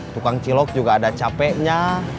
tukang cilok juga ada capeknya